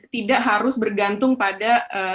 tidak harus bergantung pada